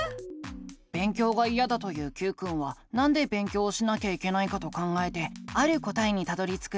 勉強がいやだと言うＱくんはなんで勉強をしなきゃいけないかと考えてある答えにたどりつくんだ。